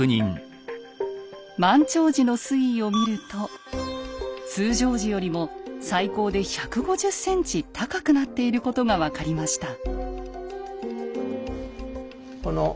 満潮時の水位を見ると通常時よりも最高で１５０ｃｍ高くなっていることが分かりました。